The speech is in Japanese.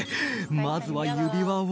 まずは指輪を」